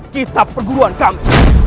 kitab perguruan kami